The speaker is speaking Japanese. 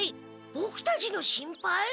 ボクたちの心配？